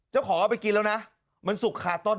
ขอเอาไปกินแล้วนะมันสุกคาต้น